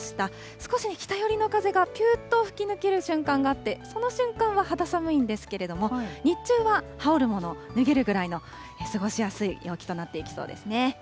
少し北寄りの風がぴゅーっと吹き抜ける瞬間があって、その瞬間は肌寒いんですけれども、日中は羽織るもの、脱げるぐらいの過ごしやすい陽気となっていきそうですね。